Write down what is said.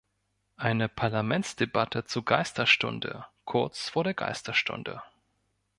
Eine Parlamentsdebatte zur Geisterstunde, kurz vor der Geisterstunde.